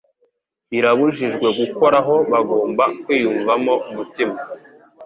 Birabujijwe gukoraho Bagomba kwiyumvamo umutima.